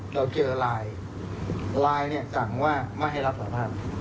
เราเจอลายลายเนี่ยสั่งว่าไม่ให้รับสอบภาพ